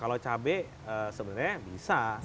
kalau cabai sebenarnya bisa